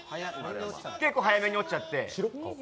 早めに落ちちゃって。